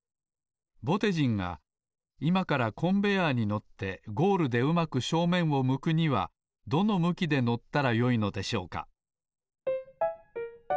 ぼてじんがいまからコンベヤーに乗ってゴールでうまく正面を向くにはどの向きで乗ったらよいのでしょうか？